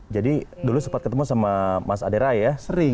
jadi dulu cepat ketemu sama mas aderai ya